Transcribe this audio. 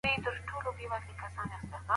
شتمن خلګ په خپل مال کي د غریبانو حق لري.